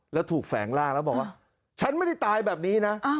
แล้วถูกแฝงร่างแล้วบอกว่าฉันไม่ได้ตายแบบนี้นะ